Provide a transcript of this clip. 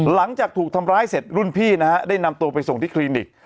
หลังจากถูกทำร้ายเสร็จรุ่นพี่นะฮะได้นำตัวไปส่งที่คลินิก